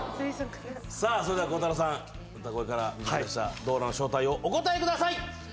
さあそれでは孝太郎さん歌声からドーラの正体をお答えください！